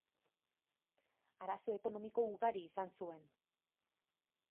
Arazo ekonomiko ugari izan zuen.